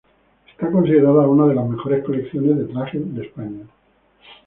Está considerada una de las mejores colecciones de trajes de España.